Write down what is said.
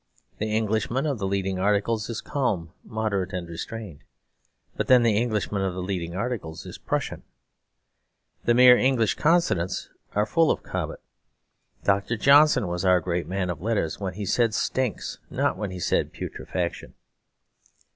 The Englishman of the leading articles is calm, moderate, and restrained; but then the Englishman of the leading articles is a Prussian. The mere English consonants are full of Cobbett. Dr. Johnson was our great man of letters when he said "stinks," not when he said "putrefaction."